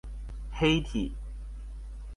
黑體